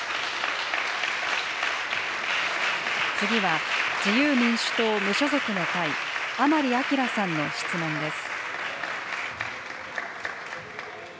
次は、自由民主党・無所属の会、甘利明さんの質問です。